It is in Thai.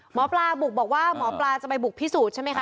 หมอปลาบุกบอกว่าหมอปลาจะไปบุกพิสูจน์ใช่ไหมคะ